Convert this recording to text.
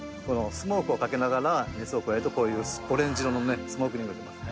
スモークをかけながら熱を加えるとこういうオレンジ色のねスモークリングになります。